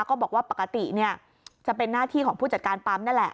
ก็บอกว่าปกติจะเป็นหน้าที่ของผู้จัดการปั๊มนั่นแหละ